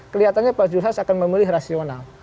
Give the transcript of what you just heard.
kelihatannya pak isu has akan memilih rasional